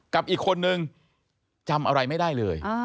กับอีกคนนึงจำอะไรไม่ได้เลย